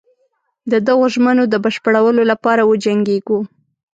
د دغو ژمنو د بشپړولو لپاره وجنګیږو.